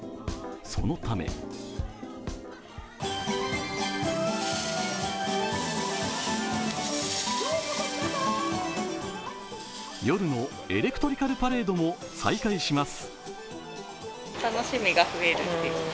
そのため夜のエレクトリカルパレードも再開します。